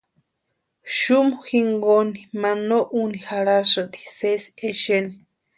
Xumu jinkoni ma no úni jarhasïnti sési exeni.